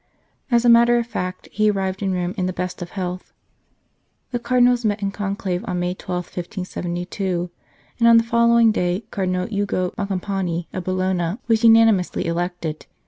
As a matter of fact, he arrived in Rome in the best of health. The Cardinals met in conclave on May 12, 1572, and on the following day Cardinal Ugo Boncompagni of Bologna was unanimously elected.